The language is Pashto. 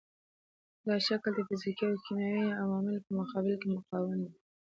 دا شکل د فزیکي او کیمیاوي عواملو په مقابل کې مقاوم دی.